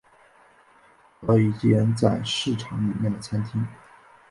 找到一间在市场里面的餐厅